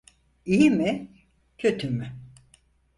İyi mi, kötü mü?